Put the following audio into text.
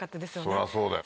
そりゃそうだよ。